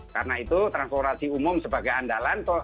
karena itu transportasi umum sebagai andalan